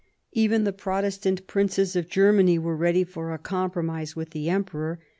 Even the Protestant princes of Germany were ready for a compromise with the Emperor.